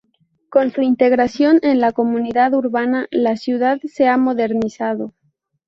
Con su integración en la comunidad urbana, la ciudad se ha modernizado.